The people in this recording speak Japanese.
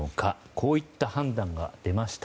こういった判断が出ました。